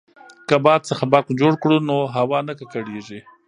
که باد څخه برق جوړ کړو نو هوا نه ککړیږي.